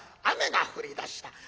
雨が降りだした。